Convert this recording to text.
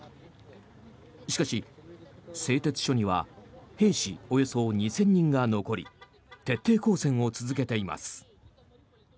しかし、製鉄所には兵士およそ２０００人が残り徹底抗戦を続けています。